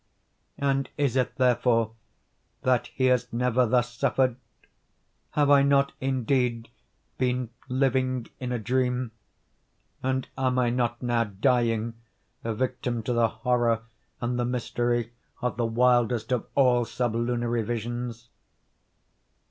And is it therefore that he has never thus suffered? Have I not indeed been living in a dream? And am I not now dying a victim to the horror and the mystery of the wildest of all sublunary visions?